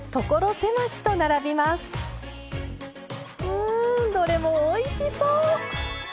うんどれもおいしそう！